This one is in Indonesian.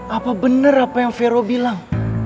apa bener apa yang veru bilang